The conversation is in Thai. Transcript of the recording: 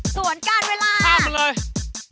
สวนกาลเวลาข้ามมันเลยสวนกาลเวลา